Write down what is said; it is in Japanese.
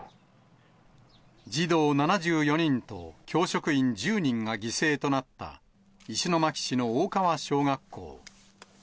児童７４人と教職員１０人が犠牲となった、石巻市の大川小学校。